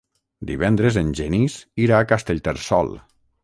Divendres en Genís irà a Castellterçol.